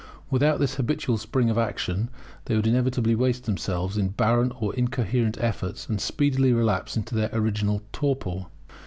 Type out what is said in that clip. Without this habitual spring of action they would inevitably waste themselves in barren or incoherent efforts, and speedily relapse into their original torpor.